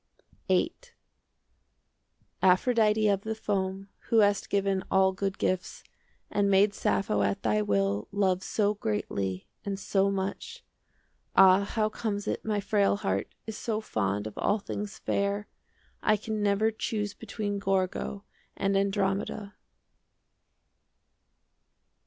VIII Aphrodite of the foam, Who hast given all good gifts, And made Sappho at thy will Love so greatly and so much, Ah, how comes it my frail heart 5 Is so fond of all things fair, I can never choose between Gorgo and Andromeda?